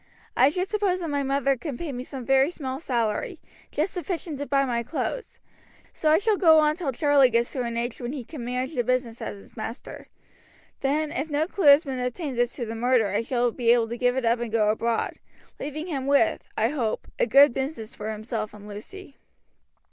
I should suppose that my mother can pay me some very small salary, just sufficient to buy my clothes. So I shall go on till Charlie gets to an age when he can manage the business as its master; then if no clue has been obtained as to the murder I shall be able to give it up and go abroad, leaving him with, I hope, a good business for himself and Lucy."